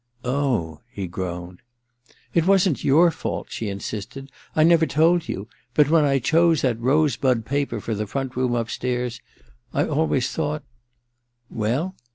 * Oh/ he groaned. * It wasn't your fault,' she insisted. * I never told you — but when I chose that rose bud paper for the front room upstairs, I always thought '* Well